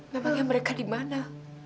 memangnya mereka dimana